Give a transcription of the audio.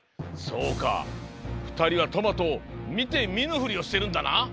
そうかふたりはトマトを見て見ぬふりをしてるんだな？